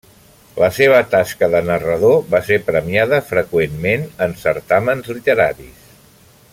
La seva tasca de narrador va ser premiada freqüentment en certàmens literaris.